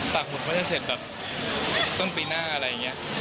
ปากหมุดเขาจะเสร็จแบบต้นปีหน้าอะไรอย่างนี้